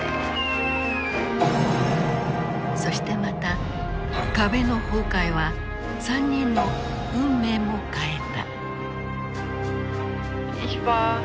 そしてまた壁の崩壊は３人の運命も変えた。